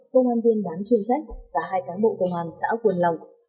công an viên đám chuyên trách và hai cán bộ công an xã quân lòng